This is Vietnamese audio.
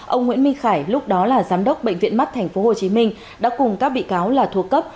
ông nguyễn minh khải lúc đó là giám đốc bệnh viện mắt tp hcm đã cùng các bị cáo là thuộc cấp